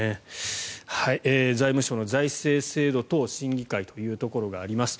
財務省の財政制度等審議会というところがあります。